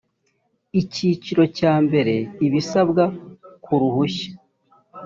icyiciro cya mbere ibisabwa ku ruhushya